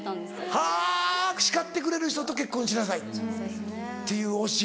はぁ「叱ってくれる人と結婚しなさい」っていう教え。